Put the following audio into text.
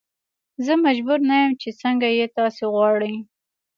زه مجبور نه یم چې څنګه یې تاسو غواړئ.